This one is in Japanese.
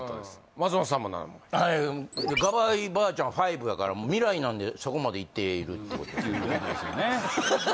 松本さんもななまがりはい「がばいばあちゃん５」やから未来なんでそこまでいっているってことなんですよね